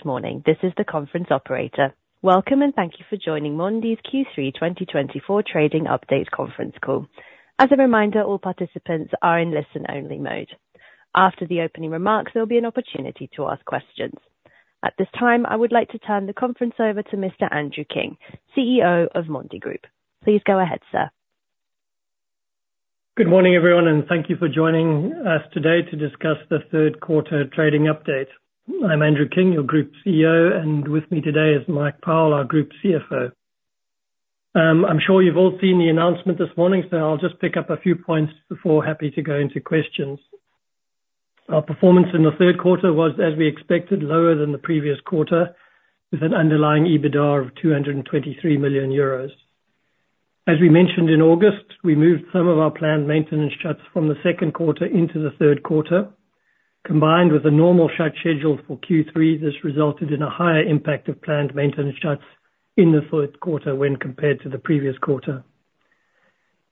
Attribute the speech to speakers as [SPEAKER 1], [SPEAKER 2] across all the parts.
[SPEAKER 1] Good morning, this is the conference operator. Welcome, and thank you for joining Mondi's Q3 2024 Trading Update Conference Call. As a reminder, all participants are in listen-only mode. After the opening remarks, there'll be an opportunity to ask questions. At this time, I would like to turn the conference over to Mr. Andrew King, CEO of Mondi Group. Please go ahead, sir.
[SPEAKER 2] Good morning, everyone, and thank you for joining us today to discuss the third quarter trading update. I'm Andrew King, your Group CEO, and with me today is Mike Powell, our Group CFO. I'm sure you've all seen the announcement this morning, so I'll just pick up a few points before happy to go into questions. Our performance in the third quarter was, as we expected, lower than the previous quarter, with an underlying EBITDA of 223 million euros. As we mentioned in August, we moved some of our planned maintenance shuts from the second quarter into the third quarter. Combined with a normal shut schedule for Q3, this resulted in a higher impact of planned maintenance shuts in the fourth quarter when compared to the previous quarter.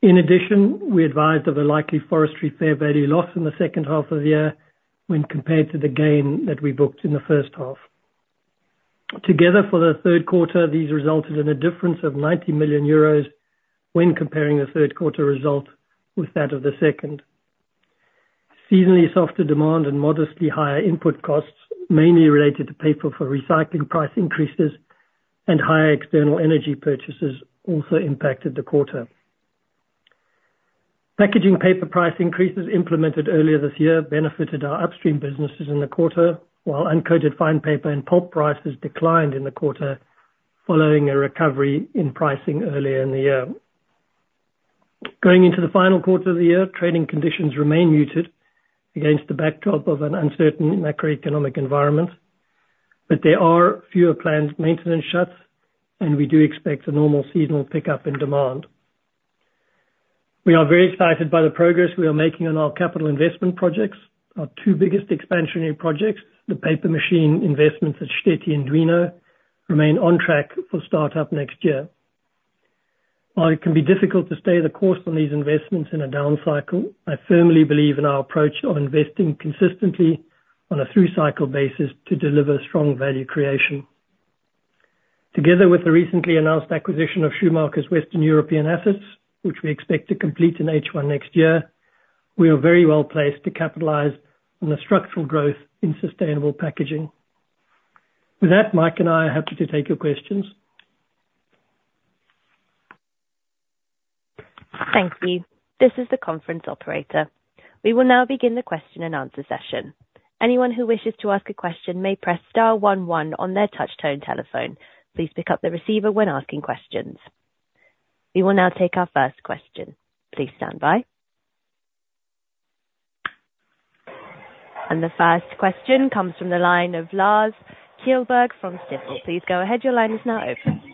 [SPEAKER 2] In addition, we advised of a likely forestry fair value loss in the second half of the year when compared to the gain that we booked in the first half. Together, for the third quarter, these resulted in a difference of 90 million euros when comparing the third quarter result with that of the second. Seasonally softer demand and modestly higher input costs, mainly related to paper for recycling price increases and higher external energy purchases also impacted the quarter. Packaging paper price increases implemented earlier this year benefited our upstream businesses in the quarter, while uncoated fine paper and pulp prices declined in the quarter, following a recovery in pricing earlier in the year. Going into the final quarter of the year, trading conditions remain muted against the backdrop of an uncertain macroeconomic environment, but there are fewer planned maintenance shuts, and we do expect a normal seasonal pickup in demand. We are very excited by the progress we are making on our capital investment projects. Our two biggest expansionary projects, the paper machine investments at Štětí and Duino, remain on track for startup next year. While it can be difficult to stay the course on these investments in a down cycle, I firmly believe in our approach of investing consistently on a through-cycle basis to deliver strong value creation. Together with the recently announced acquisition of Schumacher's Western European assets, which we expect to complete in H1 next year, we are very well placed to capitalize on the structural growth in sustainable packaging. With that, Mike and I are happy to take your questions.
[SPEAKER 1] Thank you. This is the conference operator. We will now begin the question-and-answer session. Anyone who wishes to ask a question may press star one one on their touchtone telephone. Please pick up the receiver when asking questions. We will now take our first question. Please stand by. And the first question comes from the line of Lars Kjellberg from Stifel. Please go ahead. Your line is now open.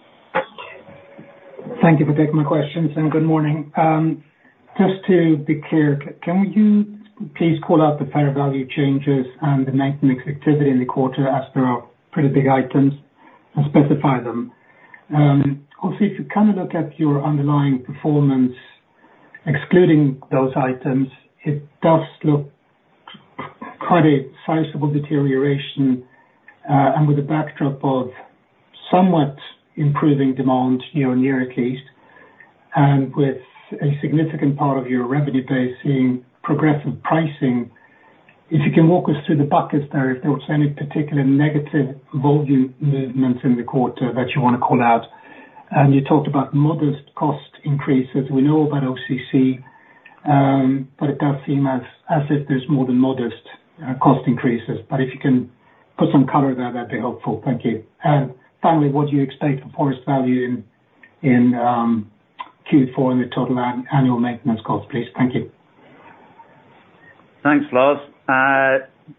[SPEAKER 3] Thank you for taking my questions, and good morning. Just to be clear, can you please call out the fair value changes and the maintenance activity in the quarter, as there are pretty big items, and specify them? Also, if you kind of look at your underlying performance, excluding those items, it does look quite a sizable deterioration, and with a backdrop of somewhat improving demand, year-on-year at least, and with a significant part of your revenue base seeing progressive pricing, if you can walk us through the buckets there, if there was any particular negative volume movements in the quarter that you wanna call out? And you talked about modest cost increases. We know about OCC, but it does seem as if there's more than modest cost increases. But if you can put some color there, that'd be helpful. Thank you. Finally, what do you expect for fair value in Q4 and the total annual maintenance cost, please? Thank you.
[SPEAKER 4] Thanks, Lars.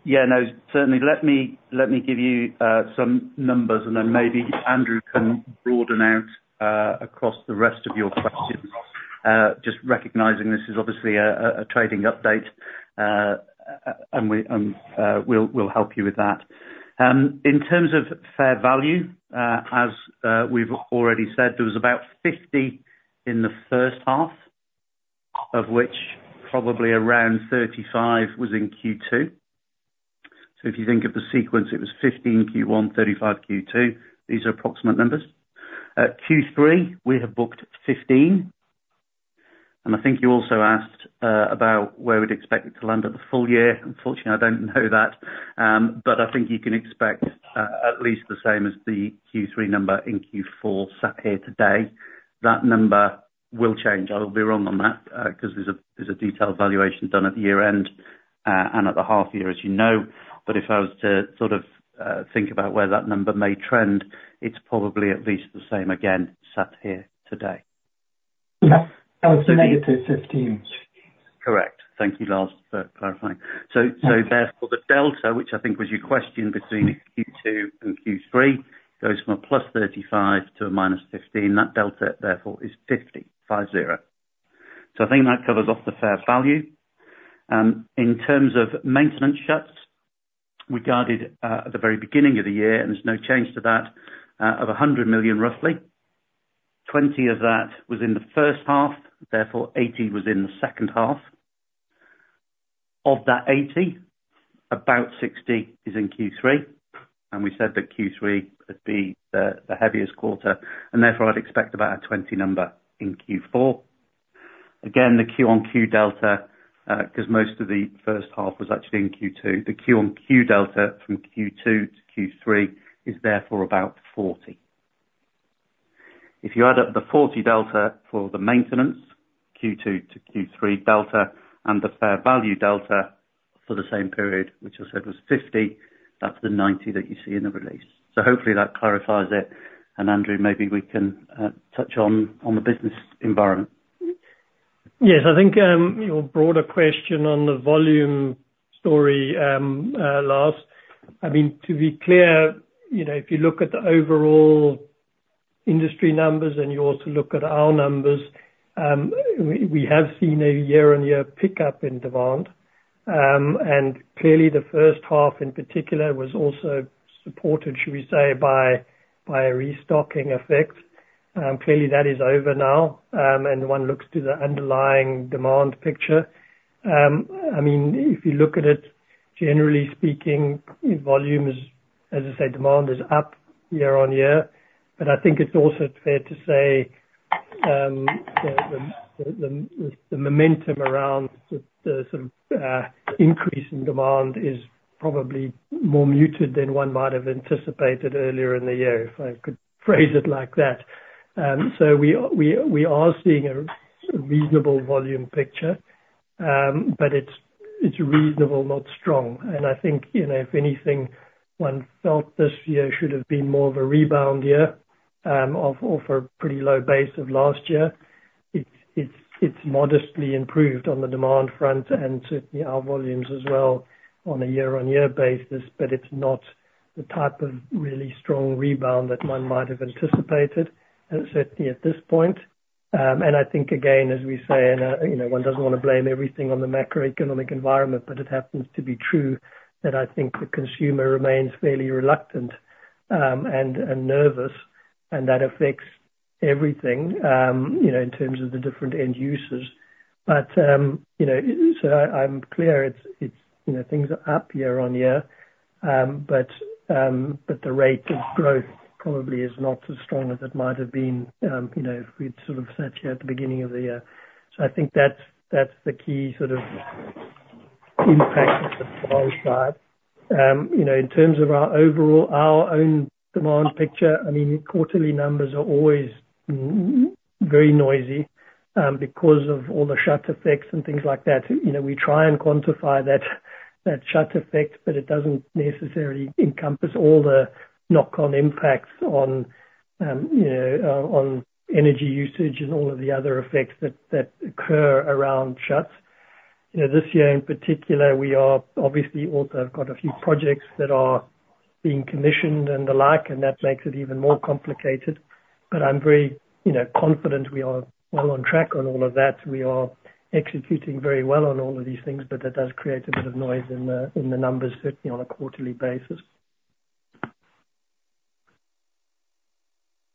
[SPEAKER 4] Yeah, no, certainly. Let me give you some numbers, and then maybe Andrew can broaden out across the rest of your questions. Just recognizing this is obviously a trading update, and we will help you with that. In terms of fair value, as we've already said, there was about 50 in the first half, of which probably around 35 was in Q2. So if you think of the sequence, it was 15 Q1, 35 Q2. These are approximate numbers. At Q3, we have booked 15, and I think you also asked about where we'd expect it to land at the full year. Unfortunately, I don't know that, but I think you can expect at least the same as the Q3 number in Q4, sat here today. That number will change. I will be wrong on that, 'cause there's a detailed valuation done at the year end, and at the half year, as you know. But if I was to sort of think about where that number may trend, it's probably at least the same again, sat here today.
[SPEAKER 3] Yeah, that was the negative fifteen.
[SPEAKER 4] Correct. Thank you, Lars, for clarifying. So therefore, the delta, which I think was your question between Q2 and Q3, goes from a plus 35 to a minus 15. That delta, therefore, is 50. So I think that covers off the fair value. In terms of maintenance shuts, we guided at the very beginning of the year, and there's no change to that of 100 million, roughly. 20 of that was in the first half, therefore 80 was in the second half. Of that 80, about 60 is in Q3, and we said that Q3 would be the heaviest quarter, and therefore I'd expect about a 20 number in Q4. Again, the Q-on-Q delta, because most of the first half was actually in Q2, the Q-on-Q delta from Q2 to Q3 is therefore about 40. If you add up the 40 delta for the maintenance, Q2 to Q3 delta, and the fair value delta for the same period, which I said was 50, that's the 90 that you see in the release. So hopefully that clarifies it, and Andrew, maybe we can touch on the business environment.
[SPEAKER 2] Yes, I think, your broader question on the volume story, I mean, to be clear, you know, if you look at the overall industry numbers, and you also look at our numbers, we have seen a year-on-year pickup in demand. And clearly the first half in particular was also supported, should we say, by a restocking effect. Clearly that is over now, and one looks to the underlying demand picture. I mean, if you look at it, generally speaking, volume is, as I said, demand is up year-on-year, but I think it's also fair to say, the momentum around the sort of increase in demand is probably more muted than one might have anticipated earlier in the year, if I could phrase it like that. We are seeing a reasonable volume picture, but it's reasonable, not strong. I think, you know, if anything, one felt this year should have been more of a rebound year, off a pretty low base of last year. It's modestly improved on the demand front and certainly our volumes as well, on a year-on-year basis, but it's not the type of really strong rebound that one might have anticipated, certainly at this point. I think, again, as we say, you know, one doesn't want to blame everything on the macroeconomic environment, but it happens to be true that I think the consumer remains fairly reluctant and nervous, and that affects everything, you know, in terms of the different end users. But, you know, so I'm clear, it's, you know, things are up year-on-year, but the rate of growth probably is not as strong as it might have been, you know, if we'd sort of sat here at the beginning of the year. So I think that's the key, sort of, impact on the supply side. You know, in terms of our overall, our own demand picture, I mean, quarterly numbers are always very noisy, because of all the shut effects and things like that. You know, we try and quantify that shut effect, but it doesn't necessarily encompass all the knock-on impacts on, you know, on energy usage and all of the other effects that occur around shuts. You know, this year in particular, we are obviously also have got a few projects that are being commissioned and the like, and that makes it even more complicated. But I'm very, you know, confident we are well on track on all of that. We are executing very well on all of these things, but that does create a bit of noise in the numbers, certainly on a quarterly basis.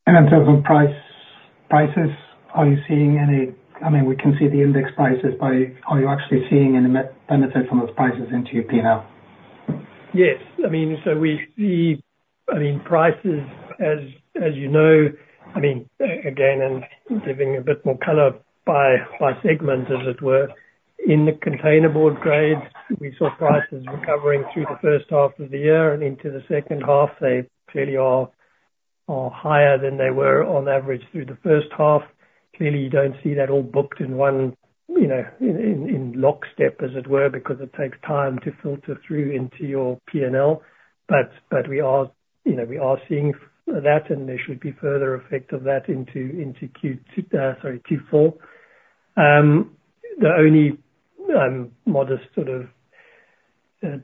[SPEAKER 3] In terms of prices, are you seeing any? I mean, we can see the index prices, but are you actually seeing any meaningful benefit from those prices into your P&L?
[SPEAKER 2] Yes. I mean, so we, I mean, prices, as you know, I mean, again, and giving a bit more color by segment, as it were, in the containerboard grades, we saw prices recovering through the first half of the year and into the second half. They clearly are higher than they were on average through the first half. Clearly, you don't see that all booked in one, you know, in lockstep, as it were, because it takes time to filter through into your P&L. But we are, you know, we are seeing that, and there should be further effect of that into Q4. The only modest sort of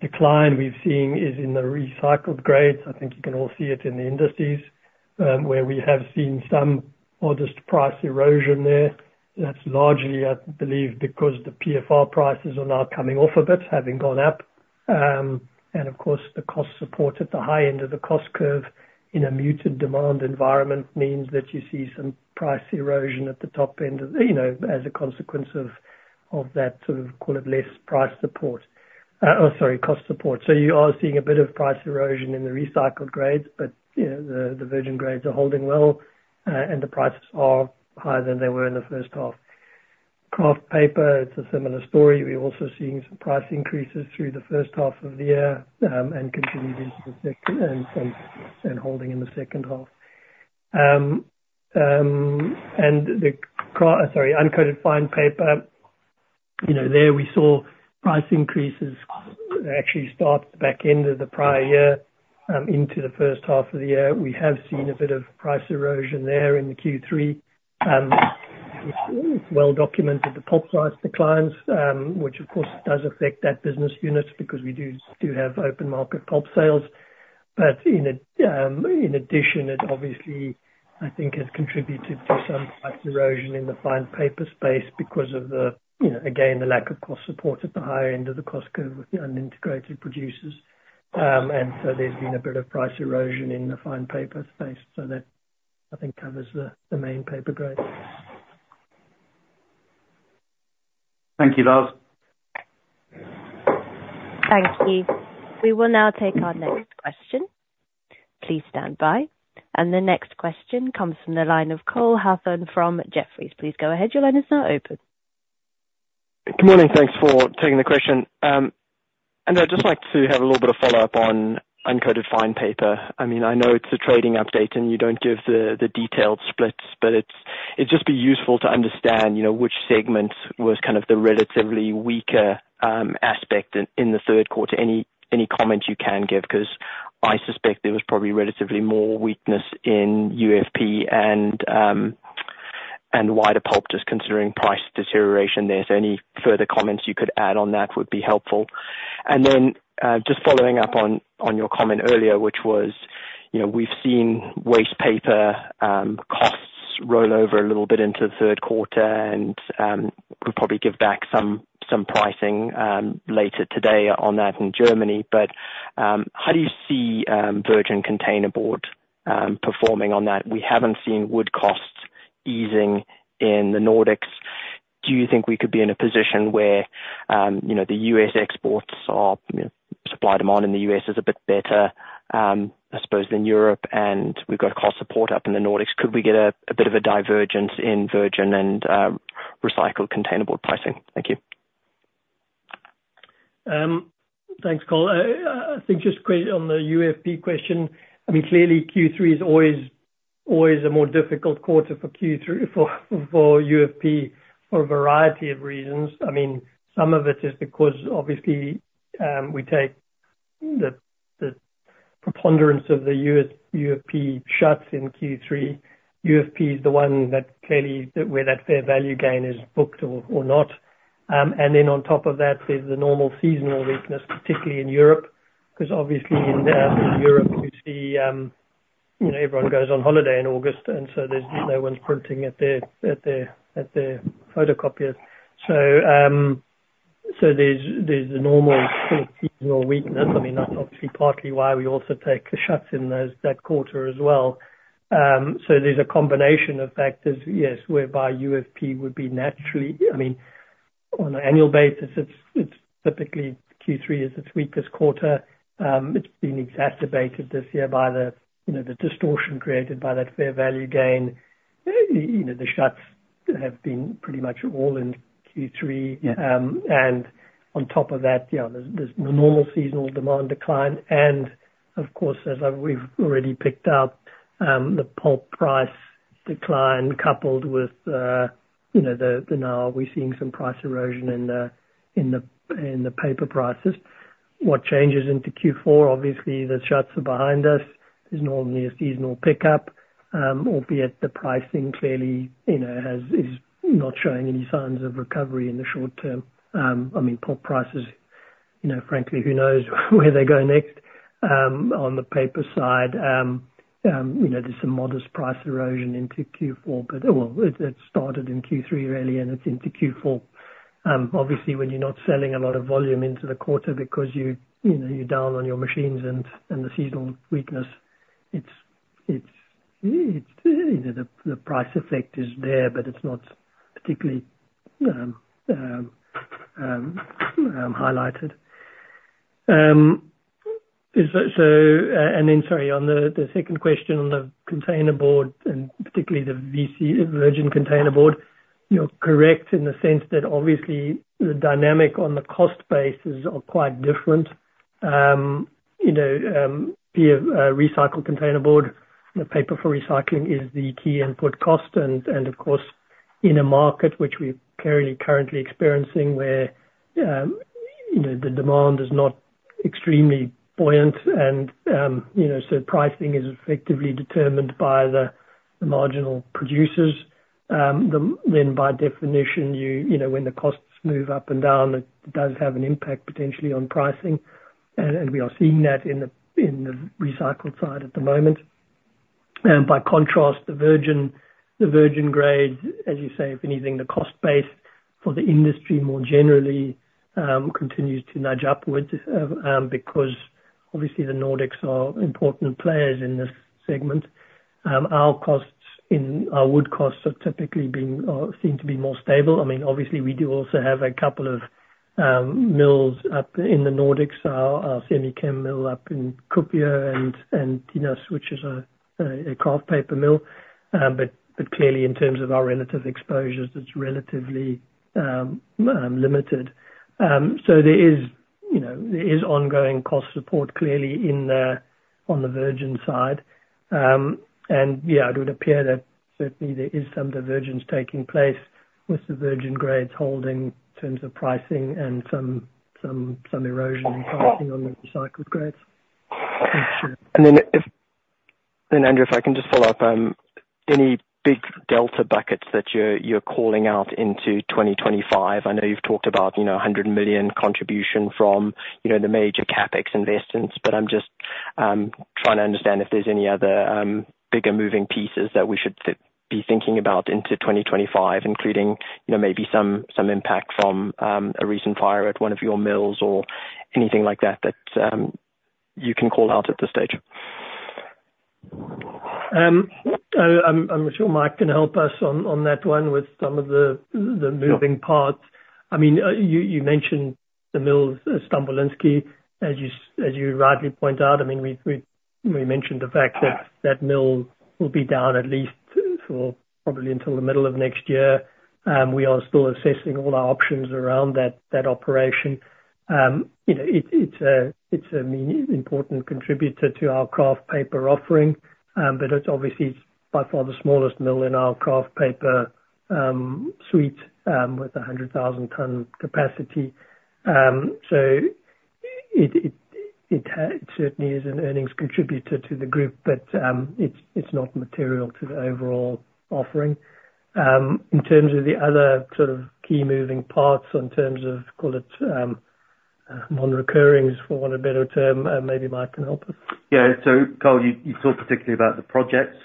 [SPEAKER 2] decline we've seen is in the recycled grades. I think you can all see it in the industries, where we have seen some modest price erosion there. That's largely, I believe, because the PfR prices are now coming off a bit, having gone up. And of course, the cost support at the high end of the cost curve, in a muted demand environment, means that you see some price erosion at the top end of, you know, as a consequence of that, sort of, call it less price support, or sorry, cost support. So you are seeing a bit of price erosion in the recycled grades, but, you know, the virgin grades are holding well, and the prices are higher than they were in the first half. Kraft paper, it's a similar story. We're also seeing some price increases through the first half of the year, and continuing into the second, and some, and holding in the second half. And the uncoated fine paper, you know, there we saw price increases actually start back end of the prior year, into the first half of the year. We have seen a bit of price erosion there in the Q3. It's well documented, the pulp price declines, which of course does affect that business unit, because we do have open market pulp sales. But in addition, it obviously, I think, has contributed to some price erosion in the fine paper space because of the, you know, again, the lack of cost support at the higher end of the cost curve with the unintegrated producers. And so there's been a bit of price erosion in the fine paper space. So that, I think, covers the main paper grades.
[SPEAKER 4] Thank you, Lars.
[SPEAKER 1] Thank you. We will now take our next question. Please stand by. And the next question comes from the line of Cole Hathorn from Jefferies. Please go ahead. Your line is now open.
[SPEAKER 5] Good morning. Thanks for taking the question, and I'd just like to have a little bit of follow-up on uncoated fine paper. I mean, I know it's a trading update, and you don't give the detailed splits, but it'd just be useful to understand, you know, which segment was kind of the relatively weaker aspect in the third quarter. Any comment you can give? 'Cause I suspect there was probably relatively more weakness in UFP and wider pulp, just considering price deterioration there. So any further comments you could add on that would be helpful, and then just following up on your comment earlier, which was, you know, we've seen waste paper costs roll over a little bit into the third quarter and we'll probably give back some pricing later today on that in Germany. But, how do you see virgin containerboard performing on that? We haven't seen wood costs easing in the Nordics. Do you think we could be in a position where, you know, the U.S. exports are, you know, supply/demand in the U.S. is a bit better, I suppose, than Europe, and we've got cost support up in the Nordics. Could we get a bit of a divergence in virgin and recycled containerboard pricing? Thank you.
[SPEAKER 2] Thanks, Cole. I think just quick on the UFP question, I mean clearly, Q3 is always a more difficult quarter for UFP for a variety of reasons. I mean, some of it is because obviously we take the preponderance of the U.S. UFP shutdowns in Q3. UFP is the one that clearly where that fair value gain is booked or not. And then on top of that, there's the normal seasonal weakness, particularly in Europe, 'cause obviously in Europe, we see you know, everyone goes on holiday in August, and so there's no one's printing at their photocopiers. So there's a normal sort of seasonal weakness. I mean, that's obviously partly why we also take the shutdowns in that quarter as well. So there's a combination of factors, yes, whereby UFP would be naturally... I mean, on an annual basis, it's typically Q3 is its weakest quarter. It's been exacerbated this year by the, you know, the distortion created by that fair value gain. You know, the shuts have been pretty much all in Q3. Yeah. And on top of that, yeah, there's the normal seasonal demand decline. And of course, as we've already picked up, the pulp price decline, coupled with, you know, the now we're seeing some price erosion in the paper prices. What changes into Q4? Obviously, the shuts are behind us. There's normally a seasonal pickup, albeit the pricing clearly, you know, is not showing any signs of recovery in the short term. I mean, pulp prices, you know, frankly, who knows where they go next? On the paper side, you know, there's some modest price erosion into Q4, but, oh, well, it started in Q3, really, and it's into Q4. Obviously, when you're not selling a lot of volume into the quarter because you know you're down on your machines and the seasonal weakness, it's you know the price effect is there, but it's not particularly highlighted. And then sorry, on the second question on the containerboard and particularly the VC, virgin containerboard, you're correct in the sense that obviously the dynamic on the cost bases are quite different. You know, be it recycled containerboard, the paper for recycling is the key input cost, and of course, in a market which we're currently experiencing, where you know the demand is not extremely buoyant and you know, so pricing is effectively determined by the marginal producers. Then by definition, you know, when the costs move up and down, it does have an impact potentially on pricing, and we are seeing that in the recycled side at the moment. By contrast, the virgin grade, as you say, if anything, the cost base for the industry more generally, because obviously the Nordics are important players in this segment. Our wood costs are typically seem to be more stable. I mean, obviously, we do also have a couple of mills up in the Nordics, our semi-chem mill up in Kuopio and Dynäs, which is a kraft paper mill. But clearly, in terms of our relative exposures, it's relatively limited. So there is, you know, there is ongoing cost support clearly in the, on the virgin side. And yeah, it would appear that certainly there is some divergence taking place with the virgin grades holding in terms of pricing and some erosion in pricing on the recycled grades.
[SPEAKER 5] Andrew, if I can just follow up, any big delta buckets that you're calling out into twenty twenty-five? I know you've talked about, you know, a 100 million contribution from, you know, the major CapEx investments, but I'm just trying to understand if there's any other bigger moving pieces that we should be thinking about into twenty twenty-five, including, you know, maybe some impact from a recent fire at one of your mills or anything like that, that you can call out at this stage....
[SPEAKER 2] I'm sure Mike can help us on that one with some of the moving parts. I mean, you mentioned the mills, Stambolijski, as you rightly point out. I mean, we mentioned the fact that that mill will be down at least for probably until the middle of next year. We are still assessing all our options around that operation. You know, it's an important contributor to our kraft paper offering, but it's obviously by far the smallest mill in our kraft paper suite with a 100,000-ton capacity. So it certainly is an earnings contributor to the group, but it's not material to the overall offering. In terms of the other sort of key moving parts, in terms of, call it, non-recurrings, for want of a better term, maybe Mike can help us.
[SPEAKER 4] Yeah. So Cole, you talked particularly about the projects.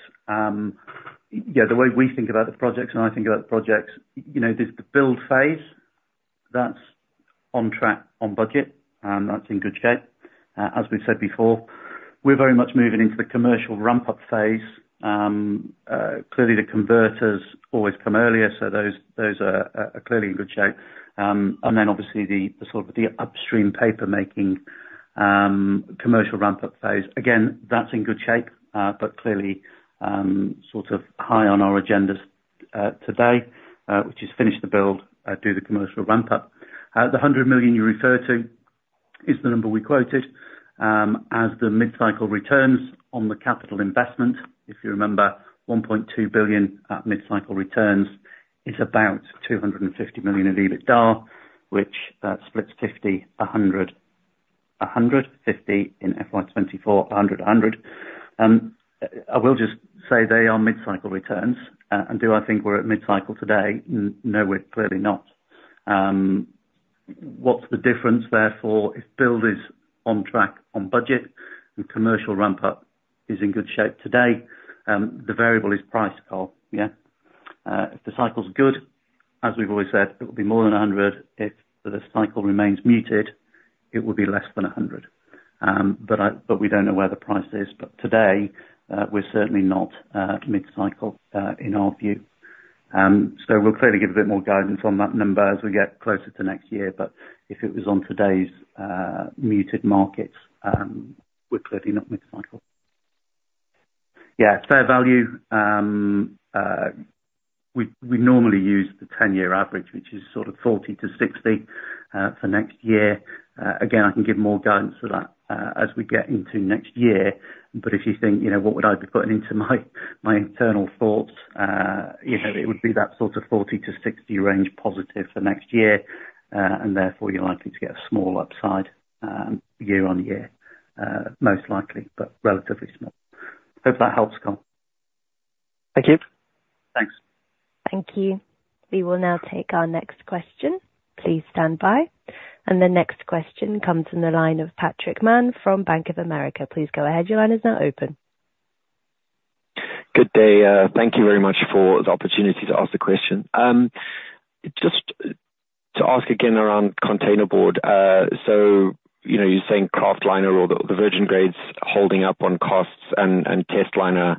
[SPEAKER 4] Yeah, the way we think about the projects, and I think about the projects, you know, the build phase, that's on track, on budget, that's in good shape. As we've said before, we're very much moving into the commercial ramp-up phase. Clearly the converters always come earlier, so those are clearly in good shape. And then obviously the sort of the upstream paper making, commercial ramp-up phase, again, that's in good shape, but clearly, sort of high on our agendas, today, which is finish the build, do the commercial ramp-up. The 100 million you refer to is the number we quoted, as the mid-cycle returns on the capital investment. If you remember, 1.2 billion at mid-cycle returns is about 250 million in EBITDA, which splits 50, 100, 100, 50 in FY 2024, 100, 100. I will just say they are mid-cycle returns. And do I think we're at mid-cycle today? No, we're clearly not. What's the difference therefore, if build is on track, on budget, and commercial ramp-up is in good shape today? The variable is price, Lars, yeah. If the cycle's good, as we've always said, it will be more than 100. If the cycle remains muted, it will be less than 100. But we don't know where the price is. But today, we're certainly not mid-cycle in our view. So we'll clearly give a bit more guidance on that number as we get closer to next year, but if it was on today's muted markets, we're clearly not mid-cycle. Yeah, fair value, we normally use the 10-year average, which is sort of 40-60 for next year. Again, I can give more guidance for that as we get into next year. If you think, you know, what would I be putting into my internal thoughts, you know, it would be that sort of 40-60 range positive for next year, and therefore you're likely to get a small upside year on year, most likely, but relatively small. Hope that helps, Cole.
[SPEAKER 2] Thank you.
[SPEAKER 4] Thanks.
[SPEAKER 1] Thank you. We will now take our next question. Please stand by. And the next question comes from the line of Patrick Mann from Bank of America. Please go ahead, your line is now open.
[SPEAKER 6] Good day. Thank you very much for the opportunity to ask the question. Just to ask again around containerboard. So, you know, you're saying kraftliner or the virgin grades holding up on costs and testliner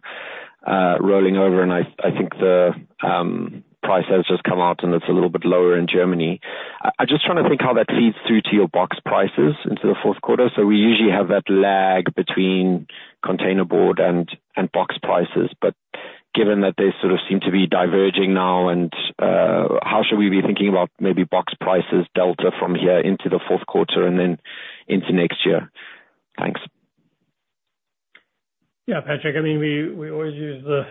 [SPEAKER 6] rolling over, and I think the price has just come out and it's a little bit lower in Germany. I'm just trying to think how that feeds through to your box prices into the fourth quarter. So we usually have that lag between containerboard and box prices, but given that they sort of seem to be diverging now, and how should we be thinking about maybe box prices delta from here into the fourth quarter and then into next year? Thanks.
[SPEAKER 2] Yeah, Patrick, I mean, we always use the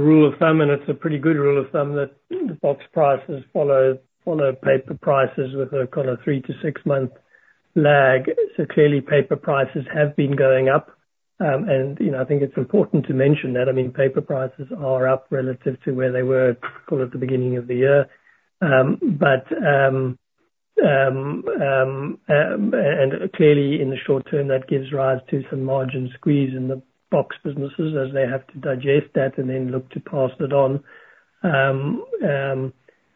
[SPEAKER 2] rule of thumb, and it's a pretty good rule of thumb, that the box prices follow paper prices with a kind of three to six-month lag. So clearly, paper prices have been going up, and, you know, I think it's important to mention that. I mean, paper prices are up relative to where they were, kind of at the beginning of the year. But and clearly, in the short term, that gives rise to some margin squeeze in the box businesses, as they have to digest that and then look to pass it on.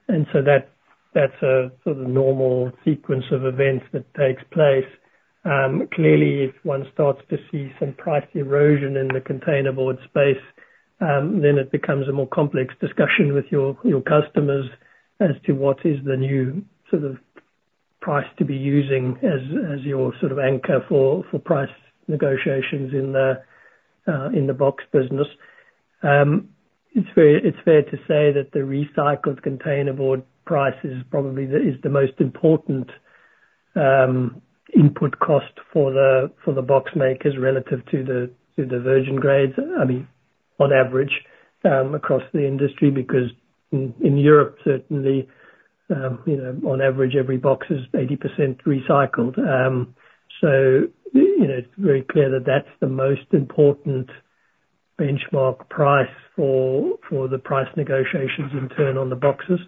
[SPEAKER 2] And so that, that's a sort of normal sequence of events that takes place. Clearly, if one starts to see some price erosion in the containerboard space, then it becomes a more complex discussion with your, your customers as to what is the new sort of price to be using as, as your sort of anchor for, for price negotiations in the, in the box business. It's fair, it's fair to say that the recycled containerboard price is probably the, is the most important, input cost for the, for the box makers relative to the, to the virgin grades, I mean, on average, across the industry, because in Europe certainly, you know, on average, every box is 80% recycled. So you know, it's very clear that that's the most important benchmark price for, for the price negotiations in turn on the boxes.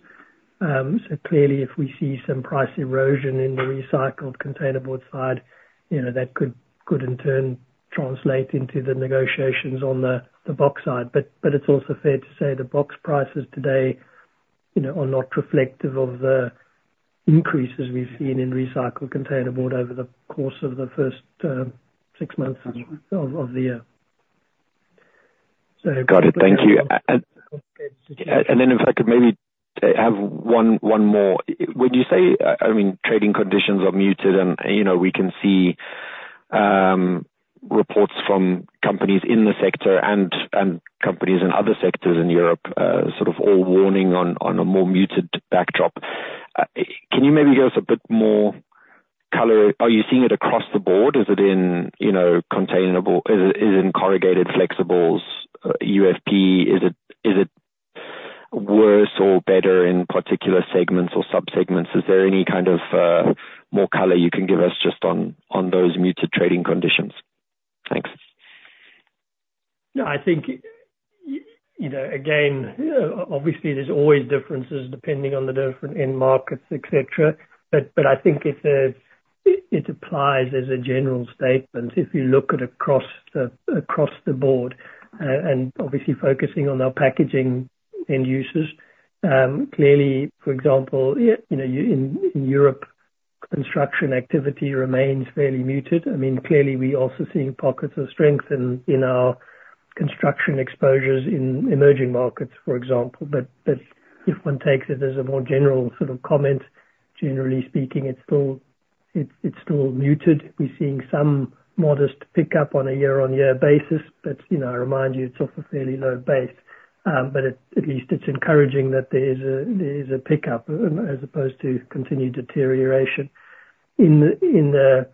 [SPEAKER 2] So clearly, if we see some price erosion in the recycled containerboard side, you know, that could in turn translate into the negotiations on the box side. But it's also fair to say the box prices today, you know, are not reflective of the increases we've seen in recycled containerboard over the course of the first six months. That's right. of the year. So
[SPEAKER 6] Got it. Thank you. And then if I could maybe have one more. When you say, I mean, trading conditions are muted, and, you know, we can see reports from companies in the sector and companies in other sectors in Europe sort of all warning on a more muted backdrop. Can you maybe give us a bit more color? Are you seeing it across the board? Is it in, you know, containerboard? Is it in corrugated flexibles, UFP? Is it worse or better in particular segments or sub-segments? Is there any kind of more color you can give us just on those muted trading conditions? Thanks.
[SPEAKER 2] No, I think, you know, again, obviously there's always differences depending on the different end markets, et cetera. But, I think it applies as a general statement, if you look at across the board. And obviously focusing on our packaging end users, clearly, for example, you know, in Europe, construction activity remains fairly muted. I mean, clearly, we also see pockets of strength in our construction exposures in emerging markets, for example. But if one takes it as a more general sort of comment, generally speaking, it's still muted. We're seeing some modest pickup on a year-on-year basis, but, you know, I remind you, it's off a fairly low base. But at least it's encouraging that there is a pickup, as opposed to continued deterioration. In the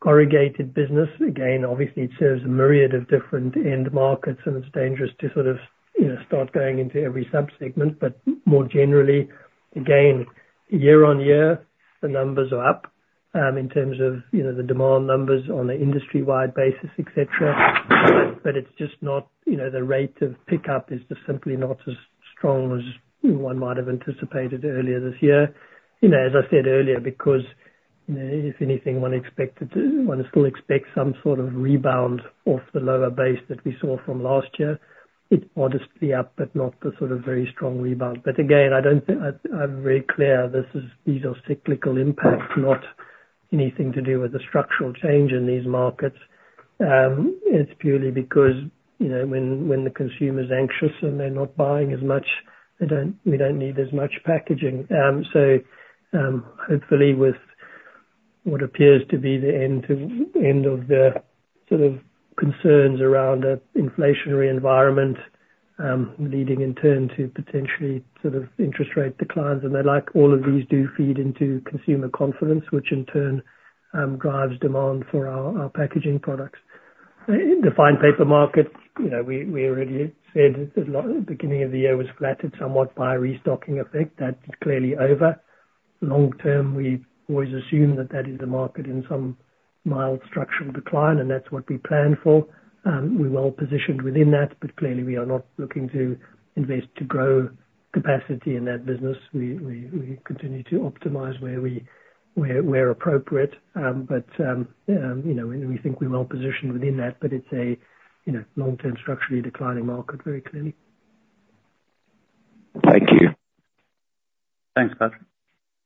[SPEAKER 2] corrugated business, again, obviously it serves a myriad of different end markets, and it's dangerous to sort of, you know, start going into every sub-segment. But more generally, again, year-on-year, the numbers are up, in terms of, you know, the demand numbers on an industry-wide basis, et cetera. But it's just not... You know, the rate of pickup is just simply not as strong as one might have anticipated earlier this year. You know, as I said earlier, because, you know, if anything, one expected to, one still expects some sort of rebound off the lower base that we saw from last year. It's modestly up, but not the sort of very strong rebound. But again, I don't, I, I'm very clear this is, these are cyclical impacts, not anything to do with the structural change in these markets. It's purely because, you know, when the consumer's anxious and they're not buying as much, they don't, we don't need as much packaging. So, hopefully with what appears to be the end of the sort of concerns around the inflationary environment, leading in turn to potentially sort of interest rate declines, and then, like all of these, do feed into consumer confidence, which in turn, drives demand for our, our packaging products. In the fine paper market, you know, we already said the beginning of the year was flattened somewhat by a restocking effect. That is clearly over. Long term, we've always assumed that that is a market in some mild structural decline, and that's what we plan for. We're well positioned within that, but clearly we are not looking to invest to grow capacity in that business. We continue to optimize where appropriate. You know, and we think we're well positioned within that, but it's a, you know, long-term structurally declining market, very clearly.
[SPEAKER 6] Thank you.
[SPEAKER 4] Thanks, Patrick.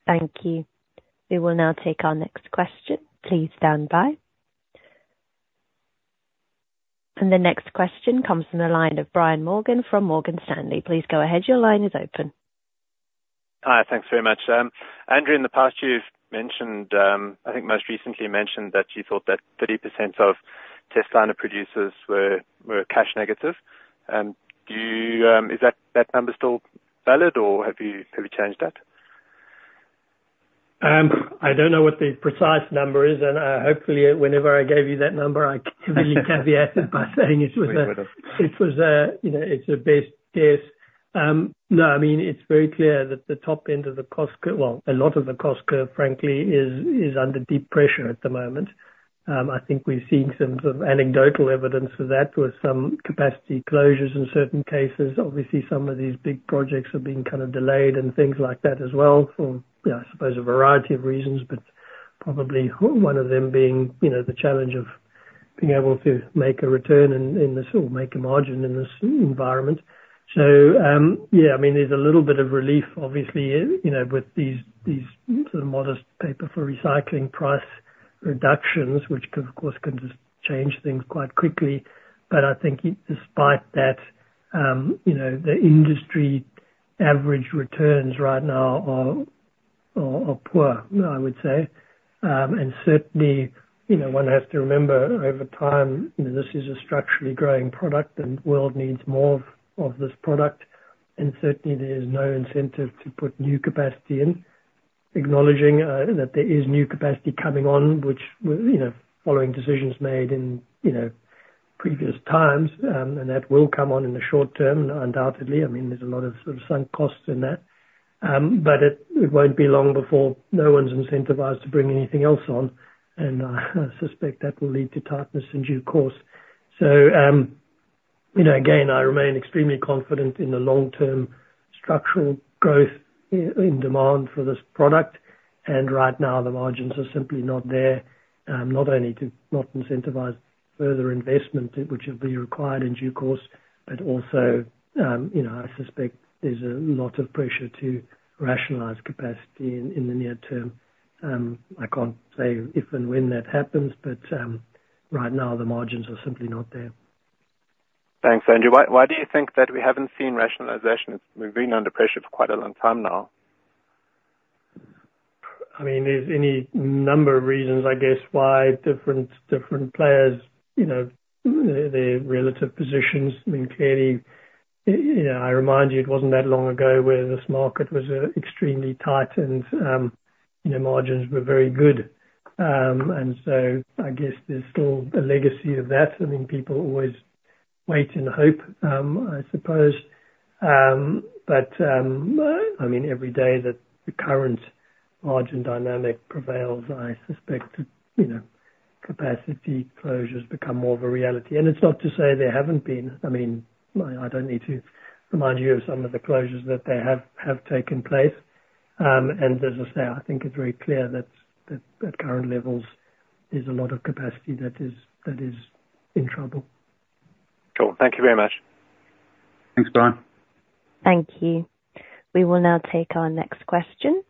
[SPEAKER 1] Thank you. We will now take our next question. Please stand by, and the next question comes from the line of Brian Morgan from Morgan Stanley. Please go ahead. Your line is open.
[SPEAKER 7] Hi, thanks very much. Andrew, in the past you've mentioned, I think most recently mentioned that you thought that 30% of testliner producers were cash negative. Do you... Is that number still valid, or have you changed that?
[SPEAKER 2] I don't know what the precise number is, and hopefully, whenever I gave you that number, I clearly caveated by saying it was a, you know, it's a best guess. No, I mean, it's very clear that the top end of the cost curve, well, a lot of the cost curve, frankly, is under deep pressure at the moment. I think we've seen some sort of anecdotal evidence of that, with some capacity closures in certain cases. Obviously, some of these big projects are being kind of delayed and things like that as well, for, I suppose, a variety of reasons, but probably one of them being, you know, the challenge of being able to make a return in this, or make a margin in this environment. So, yeah, I mean, there's a little bit of relief, obviously, you know, with these sort of modest paper for recycling price reductions, which of course can just change things quite quickly. But I think despite that, you know, the industry average returns right now are poor, I would say. And certainly, you know, one has to remember over time, you know, this is a structurally growing product, and the world needs more of this product, and certainly there's no incentive to put new capacity in. Acknowledging that there is new capacity coming on, which you know, following decisions made in, you know, previous times, and that will come on in the short term, undoubtedly. I mean, there's a lot of sort of sunk costs in that. But it won't be long before no one's incentivized to bring anything else on, and I suspect that will lead to tightness in due course. So, you know, again, I remain extremely confident in the long-term structural growth in demand for this product, and right now the margins are simply not there, not only to not incentivize further investment, which will be required in due course, but also, you know, I suspect there's a lot of pressure to rationalize capacity in the near term. I can't say if and when that happens, but right now, the margins are simply not there.
[SPEAKER 7] Thanks, Andrew. Why do you think that we haven't seen rationalization? It's been under pressure for quite a long time now.
[SPEAKER 2] I mean, there's any number of reasons, I guess, why different players, you know, their relative positions. I mean, clearly, you know, I remind you, it wasn't that long ago where this market was extremely tight and, you know, margins were very good. And so I guess there's still a legacy of that. I mean, people always wait and hope, I suppose. But, I mean, every day that the current margin dynamic prevails, I suspect that, you know, capacity closures become more of a reality. And it's not to say there haven't been. I mean, I don't need to remind you of some of the closures that they have taken place. And as I say, I think it's very clear that at current levels, there's a lot of capacity that is in trouble.
[SPEAKER 7] Cool. Thank you very much.
[SPEAKER 4] Thanks, Brian.
[SPEAKER 1] Thank you. We will now take our next question,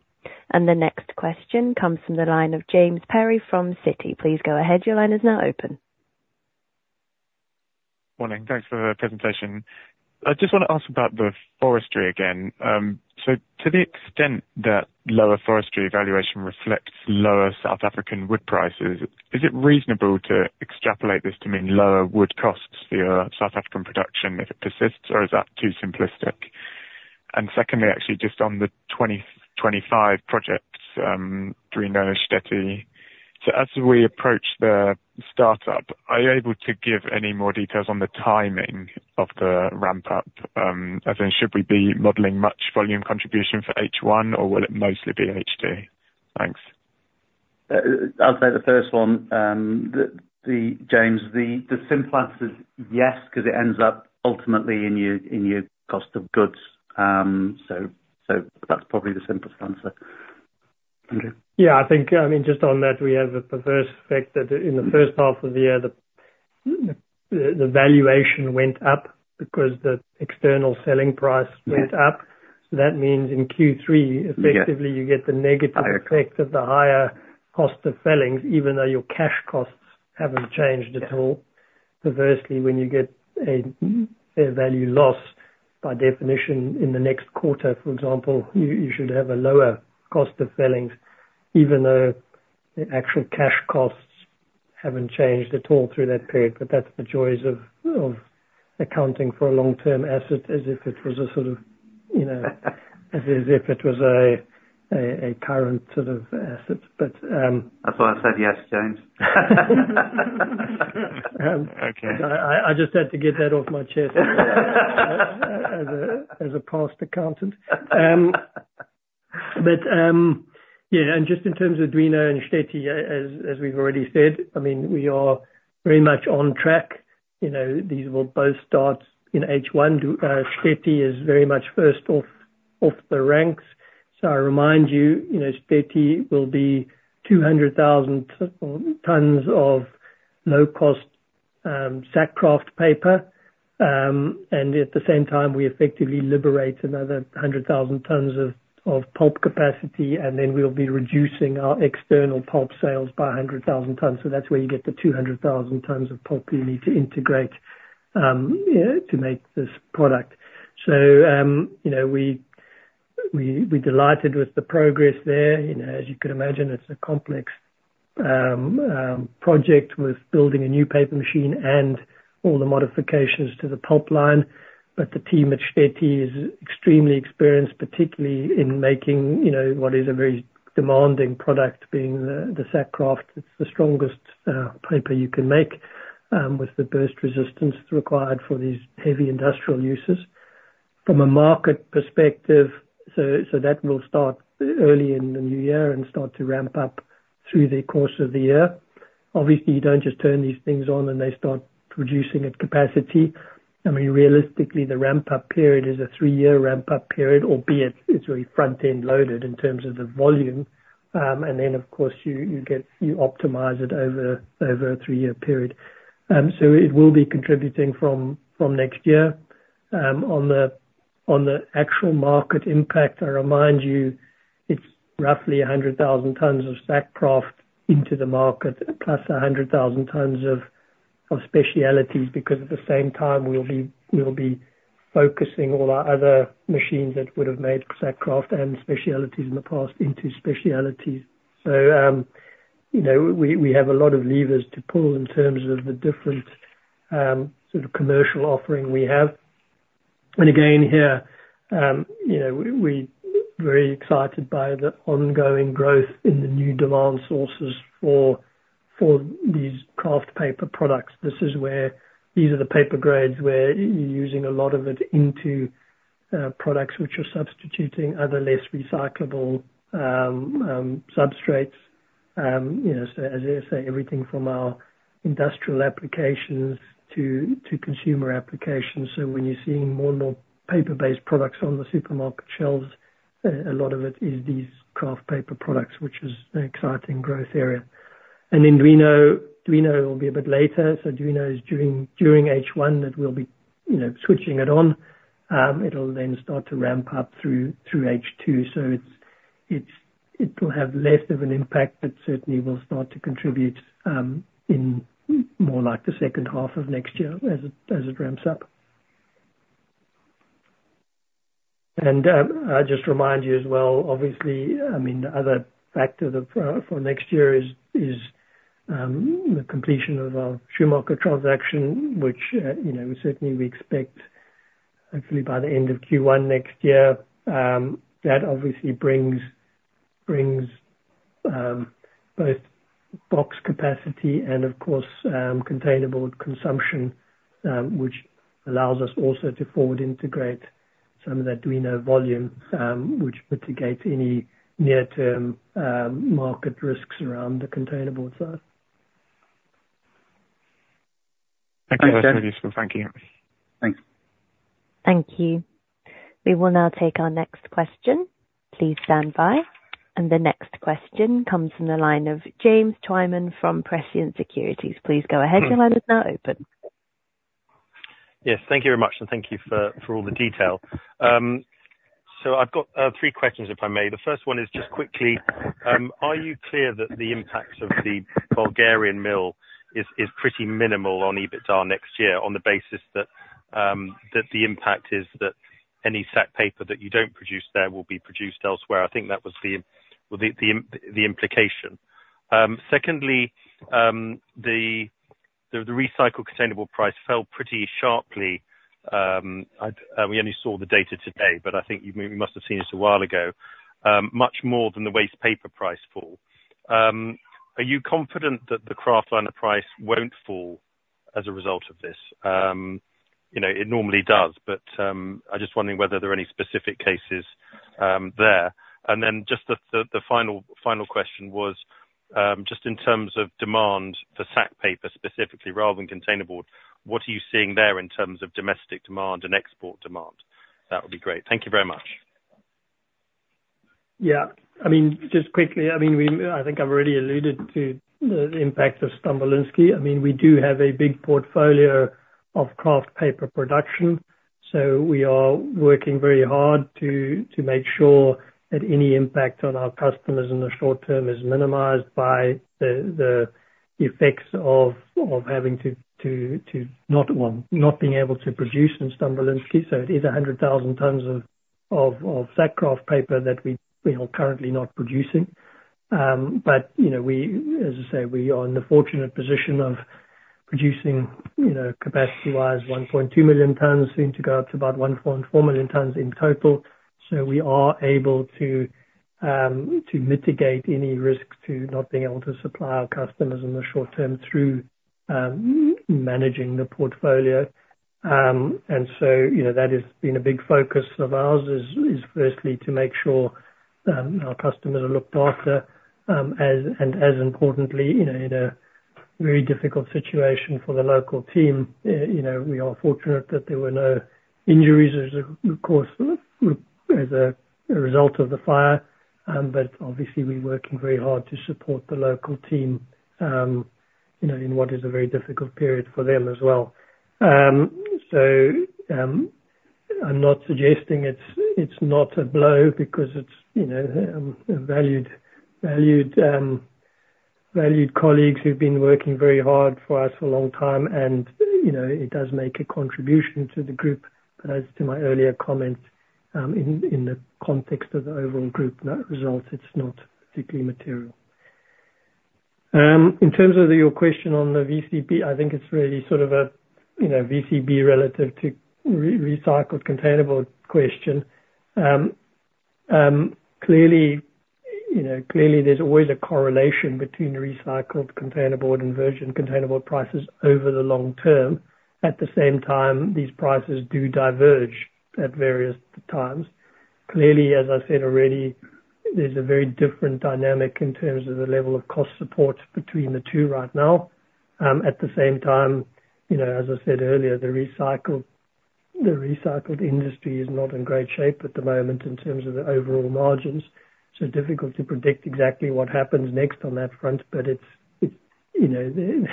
[SPEAKER 1] and the next question comes from the line of James Perry from Citi. Please go ahead. Your line is now open.
[SPEAKER 8] Morning. Thanks for the presentation. I just wanna ask about the forestry again. So to the extent that lower forestry valuation reflects lower South African wood prices, is it reasonable to extrapolate this to mean lower wood costs for your South African production, if it persists, or is that too simplistic? And secondly, actually, just on the 2025 projects. So as we approach the startup, are you able to give any more details on the timing of the ramp up? As in, should we be modeling much volume contribution for H1, or will it mostly be H2? Thanks.
[SPEAKER 4] I'll take the first one. James, the simple answer is yes, 'cause it ends up ultimately in your cost of goods. So that's probably the simplest answer. Andrew?
[SPEAKER 2] Yeah, I think, I mean, just on that, we have the perverse effect that in the first half of the year, the valuation went up because the external selling price went up.
[SPEAKER 4] Yes.
[SPEAKER 2] So that means in Q3-
[SPEAKER 4] Yeah...
[SPEAKER 2] effectively, you get the negative effect of the higher cost of sales, even though your cash costs haven't changed at all. Perversely, when you get a value loss, by definition, in the next quarter, for example, you should have a lower cost of sales, even though the actual cash costs haven't changed at all through that period. But that's the joys of accounting for a long-term asset, as if it was a sort of, you know... as if it was a current sort of asset. But,
[SPEAKER 4] That's why I said yes, James.
[SPEAKER 8] Okay.
[SPEAKER 2] I just had to get that off my chest as a past accountant. But yeah, and just in terms of Duino and Šteti, as we've already said, I mean, we are very much on track. You know, these will both start in H1. Šteti is very much first off the ranks. So I remind you, you know, Šteti will be 200,000 tons of low-cost sack kraft paper. And at the same time, we effectively liberate another 100,000 tons of pulp capacity, and then we'll be reducing our external pulp sales by 100,000 tons. So that's where you get the 200,000 tons of pulp you need to integrate, you know, to make this product. So, you know, we're delighted with the progress there. You know, as you could imagine, it's a complex project with building a new paper machine and all the modifications to the pulp line. But the team at Štětí is extremely experienced, particularly in making, you know, what is a very demanding product, being the sack kraft. It's the strongest paper you can make with the burst resistance required for these heavy industrial uses. From a market perspective, so that will start early in the new year and start to ramp up through the course of the year. Obviously, you don't just turn these things on, and they start producing at capacity. I mean, realistically, the ramp up period is a three-year ramp up period, albeit it's very front-end loaded in terms of the volume. And then, of course, you get you optimize it over a three-year period. So it will be contributing from next year. On the actual market impact, I remind you, it's roughly a hundred thousand tons of sack kraft into the market, plus a hundred thousand tons of specialties, because at the same time, we'll be focusing all our other machines that would have made sack kraft and specialties in the past into specialties. So you know, we have a lot of levers to pull in terms of the different sort of commercial offering we have. And again, here you know, we very excited by the ongoing growth in the new demand sources for these kraft paper products. This is where, these are the paper grades where you're using a lot of it into products which are substituting other less recyclable substrates. You know, so as I say, everything from our industrial applications to consumer applications. So when you're seeing more and more paper-based products on the supermarket shelves, a lot of it is these kraft paper products, which is an exciting growth area. And then Duino will be a bit later. So Duino is during H1, that we'll be, you know, switching it on. It'll then start to ramp up through H2, so it will have less of an impact, but certainly will start to contribute in more like the second half of next year as it ramps up. I just remind you as well, obviously, I mean, the other factor that for next year is the completion of our Schumacher transaction, which, you know, certainly we expect hopefully by the end of Q1 next year. That obviously brings both box capacity and of course containerboard consumption, which allows us also to forward integrate some of that Duino volume, which mitigates any near-term market risks around the containerboard side.
[SPEAKER 4] Thank you very much.
[SPEAKER 8] Thank you.
[SPEAKER 1] Thank you. We will now take our next question. Please stand by. And the next question comes from the line of James Twyman from Prescient Securities. Please go ahead, your line is now open.
[SPEAKER 9] Yes, thank you very much, and thank you for all the detail. So I've got three questions, if I may. The first one is just quickly, are you clear that the impact of the Bulgarian mill is pretty minimal on EBITDA next year, on the basis that the impact is that any sack paper that you don't produce there will be produced elsewhere? I think that was the, well, implication. Secondly, the recycled containerboard price fell pretty sharply. We only saw the data today, but I think you may must have seen this a while ago, much more than the waste paper price fall. Are you confident that the kraftliner price won't fall as a result of this? You know, it normally does, but I'm just wondering whether there are any specific cases there. And then just the final question was, just in terms of demand for sack paper, specifically rather than containerboard, what are you seeing there in terms of domestic demand and export demand? That would be great. Thank you very much.
[SPEAKER 2] Yeah. I mean, just quickly, I mean, we, I think I've already alluded to the impact of Stambolijski. I mean, we do have a big portfolio of kraft paper production, so we are working very hard to make sure that any impact on our customers in the short term is minimized by the effects of having to not be able to produce in Stambolijski. So it is 100,000 tons of sack kraft paper that we are currently not producing. But you know, we, as I say, we are in the fortunate position of producing, you know, capacity-wise, 1.2 million tons, soon to go up to about 1.4 million tons in total. So we are able to mitigate any risks to not being able to supply our customers in the short term through managing the portfolio. And so, you know, that has been a big focus of ours, is firstly, to make sure our customers are looked after, as, and as importantly, you know, in a very difficult situation for the local team. You know, we are fortunate that there were no injuries, as, of course, as a result of the fire. But obviously we're working very hard to support the local team, you know, in what is a very difficult period for them as well. So, I'm not suggesting it's not a blow because it's, you know, valued colleagues who've been working very hard for us for a long time. You know, it does make a contribution to the group. As to my earlier comments, in the context of the overall group net results, it's not deeply material. In terms of your question on the VCB, I think it's really sort of a, you know, VCB relative to recycled container board question. Clearly, you know, clearly there's always a correlation between recycled container board and virgin container board prices over the long term. At the same time, these prices do diverge at various times. Clearly, as I said already, there's a very different dynamic in terms of the level of cost support between the two right now. At the same time, you know, as I said earlier, the recycled industry is not in great shape at the moment in terms of the overall margins. So difficult to predict exactly what happens next on that front. But it's, you know,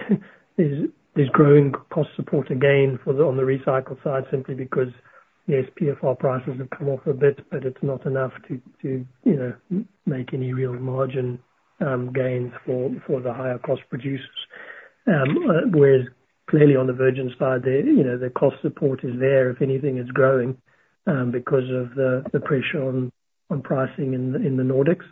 [SPEAKER 2] there's growing cost support again for the, on the recycled side, simply because yes, PfR prices have come off a bit, but it's not enough to, you know, make any real margin gains for the higher cost producers. Whereas clearly on the virgin side, the, you know, the cost support is there. If anything is growing, because of the pressure on pricing in the Nordics.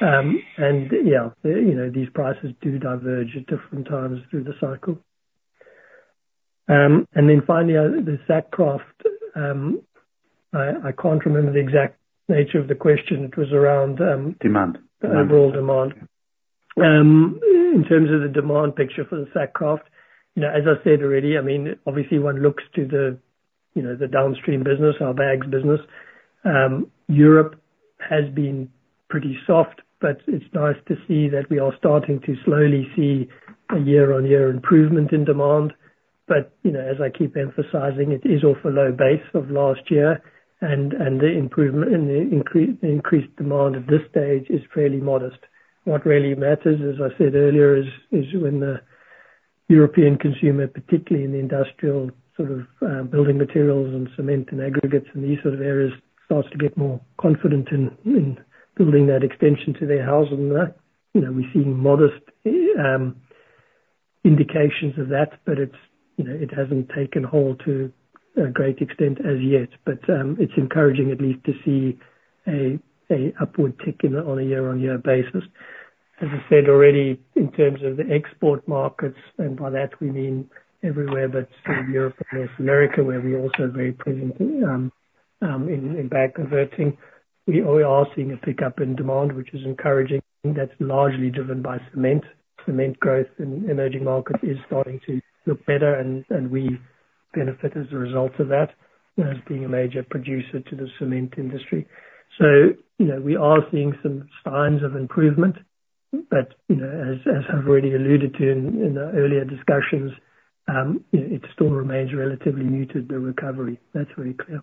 [SPEAKER 2] And yeah, you know, these prices do diverge at different times through the cycle. And then finally, the sack kraft. I can't remember the exact nature of the question. It was around,
[SPEAKER 9] Demand.
[SPEAKER 2] Overall demand. In terms of the demand picture for the sack kraft, you know, as I said already, I mean, obviously one looks to the, you know, the downstream business, our bags business. Europe has been pretty soft, but it's nice to see that we are starting to slowly see a year-on-year improvement in demand. But, you know, as I keep emphasizing, it is off a low base of last year, and the improvement and the increased demand at this stage is fairly modest. What really matters, as I said earlier, is when the European consumer, particularly in the industrial sort of, building materials and cement and aggregates and these sort of areas, starts to get more confident in building that extension to their house and that. You know, we're seeing modest indications of that, but it's, you know, it hasn't taken hold to a great extent as yet. But it's encouraging at least to see an upward tick on a year-on-year basis. As I said already, in terms of the export markets, and by that we mean everywhere but Europe and North America, where we're also very present in bag converting. We are seeing a pickup in demand, which is encouraging. That's largely driven by cement. Cement growth in emerging markets is starting to look better, and we benefit as a result of that, as being a major producer to the cement industry. So, you know, we are seeing some signs of improvement, but, you know, as I've already alluded to in the earlier discussions, it still remains relatively muted, the recovery. That's very clear.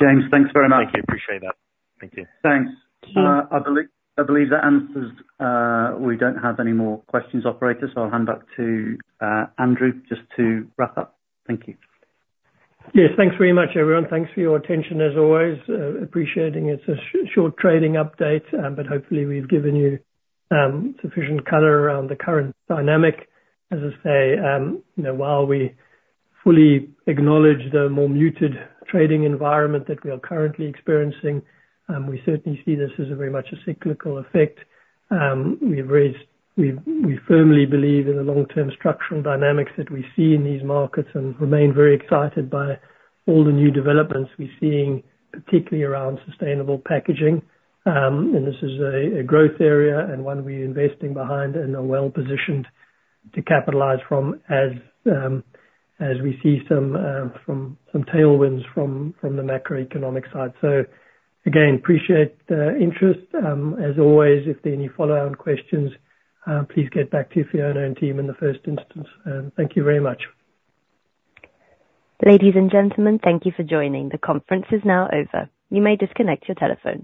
[SPEAKER 4] James, thanks very much.
[SPEAKER 9] Thank you. Appreciate that. Thank you.
[SPEAKER 4] Thanks.
[SPEAKER 2] Sure.
[SPEAKER 4] I believe that answers... We don't have any more questions, operator, so I'll hand back to Andrew, just to wrap up. Thank you.
[SPEAKER 2] Yes, thanks very much, everyone. Thanks for your attention as always. Appreciating it's a short trading update, but hopefully we've given you sufficient color around the current dynamic. As I say, you know, while we fully acknowledge the more muted trading environment that we are currently experiencing, we certainly see this as a very much a cyclical effect. We firmly believe in the long-term structural dynamics that we see in these markets and remain very excited by all the new developments we're seeing, particularly around sustainable packaging, and this is a growth area and one we're investing behind and are well positioned to capitalize from as we see some tailwinds from the macroeconomic side, so again, appreciate the interest. As always, if there are any follow-on questions, please get back to Fiona and team in the first instance. Thank you very much.
[SPEAKER 1] Ladies and gentlemen, thank you for joining. The conference is now over. You may disconnect your telephone.